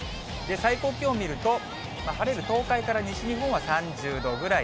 最高気温見ると、晴れる東海から西日本は３０度ぐらい。